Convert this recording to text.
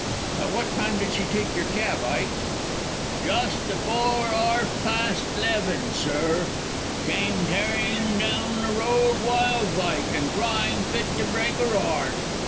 "At what time did she take your cab, Ike?" "Just afore arf past 'leven, sir. Came tearing down the road wild like and crying fit to break 'er 'eart.